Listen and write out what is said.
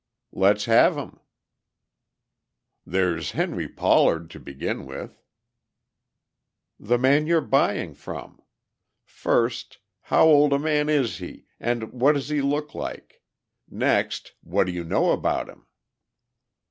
"Let's have 'em." "There's Henry Pollard, to begin with." "The man you're buying from. First, how old a man is he and what does he look like? Next, what do you know about him?"